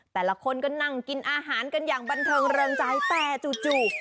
แต่ละคนก็นั่งกินอาหารกันอย่างบันเทิงเริงใจแต่จู่